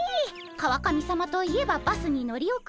川上さまといえばバスに乗り遅れる。